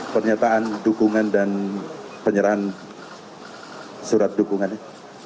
pernyataan dukungan dan penyerahan surat dukungannya